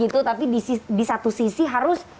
tapi di satu sisi harus